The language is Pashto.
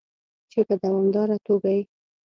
چې په دوامداره توګه یې